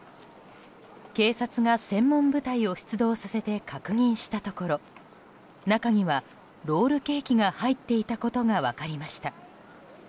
警察が専門部隊を出動させて確認したところ中には、ロールケーキが入っていたことが分かりました。